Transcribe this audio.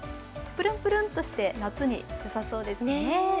プルンプルンとして夏によさそうですよね。